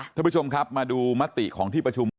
ท่านผู้ชมครับมาดูมติของที่ประชุม